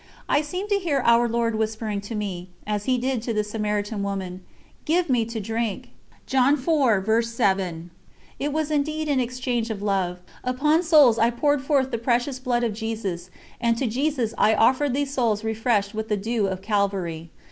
I seemed to hear Our Lord whispering to me, as He did to the Samaritan woman: "Give me to drink!" It was indeed an exchange of love: upon souls I poured forth the Precious Blood of Jesus, and to Jesus I offered these souls refreshed with the Dew of Calvary.